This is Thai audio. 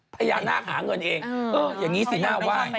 พญานาไขาเงินเองอย่างงี้สิหน้าวาย